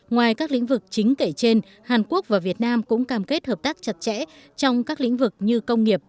ngoài các lĩnh vực chính kể trên hàn quốc và việt nam cũng cam kết hợp tác chặt chẽ trong các lĩnh vực như công nghiệp